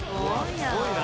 すごいな。